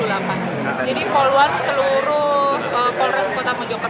jadi pol one seluruh polres kota mojokerto